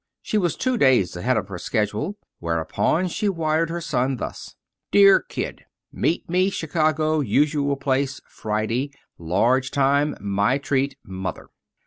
She was two days ahead of her schedule, whereupon she wired her son, thus: "Dear Kid: "Meet me Chicago usual place Friday large time my treat. MOTHER."